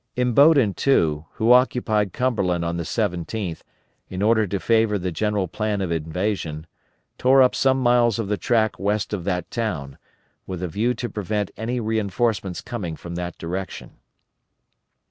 Imboden, too, who occupied Cumberland on the 17th, in order to favor the general plan of invasion, tore up some miles of the track west of that town, with a view to prevent any reinforcements coming from that direction.